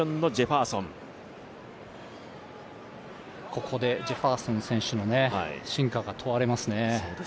ここでジェファーソン選手の真価が問われますね。